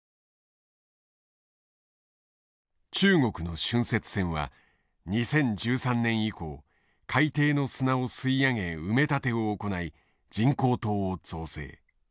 中国の浚渫船は２０１３年以降海底の砂を吸い上げ埋め立てを行い人工島を造成。